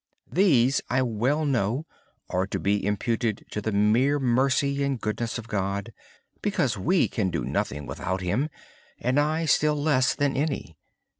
These, I well know, are to be imputed to the mercy and goodness of God because we can do nothing without Him; and I still less than any.